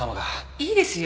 いいですよ